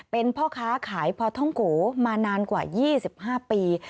เป็นพ่อค้าขายพอท่องโกมานานกว่า๒๕ปี